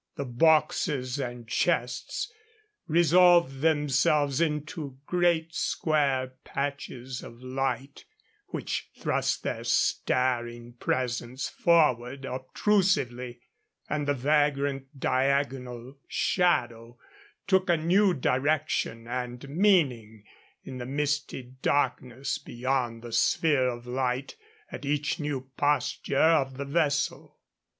The boxes and chests resolved themselves into great square patches of light which thrust their staring presence forward obtrusively; and the vagrant diagonal shadow took a new direction and meaning in the misty darkness beyond the sphere of light at each new posture of the vessel.